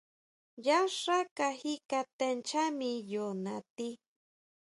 Yá xá kaji kate ncháa miyo natí.